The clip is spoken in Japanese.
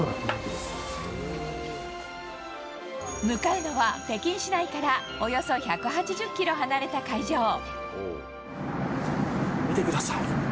向かうのは北京市内からおよそ１８０ｋｍ離れた会場。